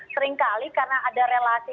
seringkali karena ada relasi